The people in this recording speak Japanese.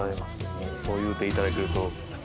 もうそう言うていただけると。